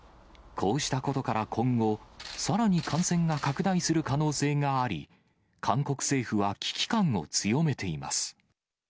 こうしたことから今後、さらに感染が拡大する可能性があり、韓国政府は危機感を強めています。